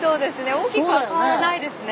大きくは変わらないですね。